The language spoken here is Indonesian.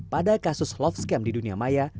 pada kasus love scam di dunia maya